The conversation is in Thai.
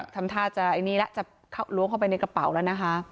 ทำท่าจะไอ้นี่แล้วจะล้วงเข้าไปในกระเป๋าแล้วนะคะ